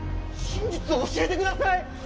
真実を教えてください！